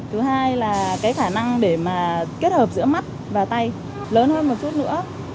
thứ hai là cái khả năng để mà kết hợp giữa mắt và tay lớn hơn một chút nữa